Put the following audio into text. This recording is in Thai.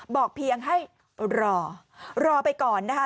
บอกเพียงให้รอรอไปก่อนนะคะ